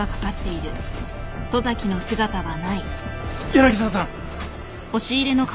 柳沢さん！